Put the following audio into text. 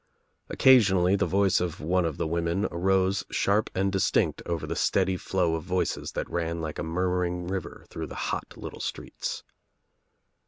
Occasionally the voice of one of the women arose sharp and distinct above the steady flow of voices that ■ran like a murmuring river through the hot little streets.